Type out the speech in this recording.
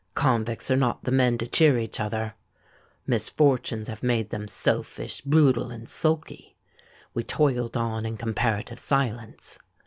Convicts are not the men to cheer each other: misfortunes have made them selfish, brutal, and sulky. We toiled on in comparative silence.